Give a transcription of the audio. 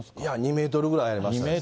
２メートルぐらいありましたですね。